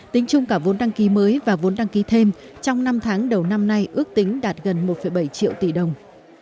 tính chung cả vốn đăng ký mới và vốn đăng ký thêm trong năm tháng đầu năm nay ước tính đạt gần một bảy triệu tỷ đồng